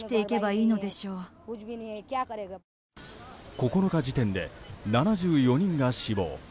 ９日時点で７４人が死亡。